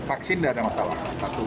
vaksin tidak ada masalah